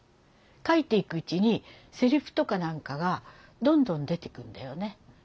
書いていくうちにせりふとかなんかがどんどん出てくるんだよね。